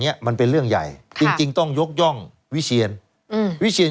เนี้ยมันเป็นเรื่องใหญ่จริงต้องยกย่องวิเชียรอืมวิเชียร